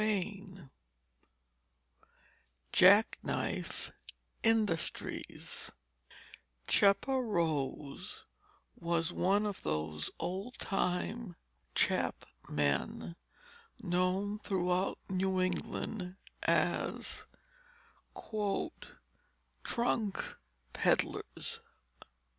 CHAPTER XIII JACK KNIFE INDUSTRIES Chepa Rose was one of those old time chap men known throughout New England as "trunk pedlers."